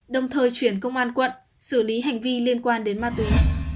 đồng thời chuyển công an quận xử lý hành vi liên quan đến ma túy